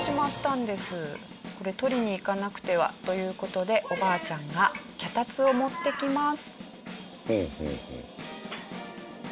これ取りに行かなくてはという事でおばあちゃんが脚立を持ってきます。